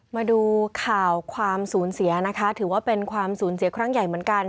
มาดูข่าวความสูญเสียนะคะถือว่าเป็นความสูญเสียครั้งใหญ่เหมือนกัน